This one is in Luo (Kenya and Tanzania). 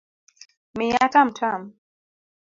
Miya tamtam